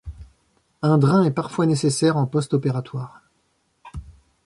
Un drain est parfois nécessaire en post-opératoire.